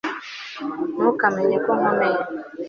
Ntukamenya ko nkomeye